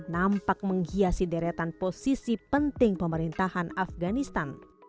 nampak menghiasi deretan posisi penting pemerintahan afganistan